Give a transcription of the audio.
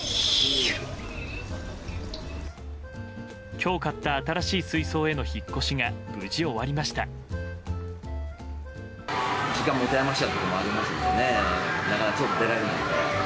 今日買った新しい水槽への引っ越しが無事、終わりました。